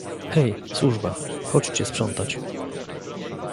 "Hej, służba, chodźcie sprzątać."